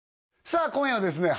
さあ今夜はですね